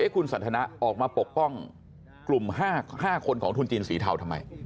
คุณสันทนะออกมาปกป้องกลุ่ม๕คนของทุนจีนสีเทาทำไม